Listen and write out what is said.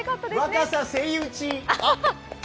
若狭セイウチ！